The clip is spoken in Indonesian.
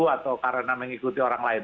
atau karena mengikuti orang lain